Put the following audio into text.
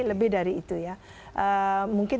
lebih dari itu ya mungkin